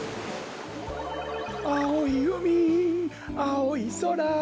「あおいうみあおいそら」